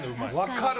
分かる！